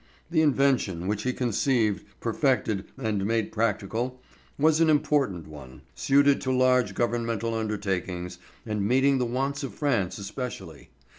The invention which he conceived, perfected, and made practical, was an important one, suited to large governmental undertakings and meeting the wants of France especially.